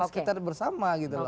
sekitar bersama gitu loh